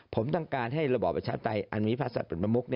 ผมต้องการให้ระบบไอ้ชาวไทยอันหวีภาษฎีเป็นประมก